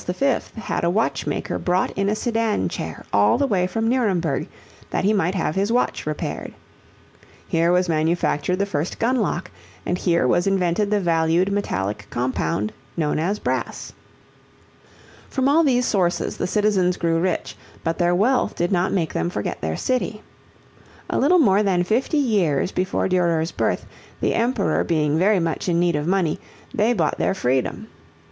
had a watchmaker brought in a sedan chair all the way from Nuremberg that he might have his watch repaired. Here was manufactured the first gun lock, and here was invented the valued metallic compound known as brass. From all these sources the citizens grew rich, but their wealth did not make them forget their city. A little more than fifty years before Durer's birth, the Emperor being very much in need of money, they bought their freedom.